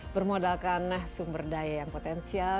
bermodalkan sumber daya yang potensial